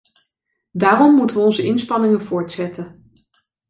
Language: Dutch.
Daarom moeten we onze inspanningen voortzetten.